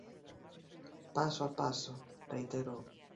"Paso a paso", reiterou.